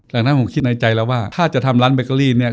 ดังนั้นผมคิดในใจแล้วว่าถ้าจะทำร้านเบเกอรี่เนี่ย